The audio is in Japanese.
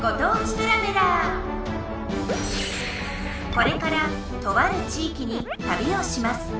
これからとあるちいきにたびをします。